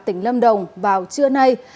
tỉnh lâm đồng vào trưa nay